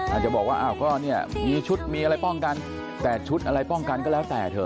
อาจจะบอกว่าอ้าวก็เนี่ยมีชุดมีอะไรป้องกันแต่ชุดอะไรป้องกันก็แล้วแต่เถอ